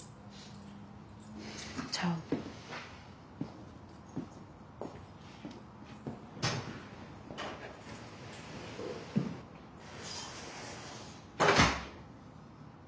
じゃあね。